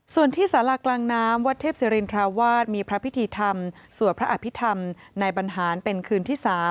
ส่วนที่สารากลางน้ำวัดเทพศิรินทราวาสมีพระพิธีธรรมสวดพระอภิษฐรรมในบรรหารเป็นคืนที่๓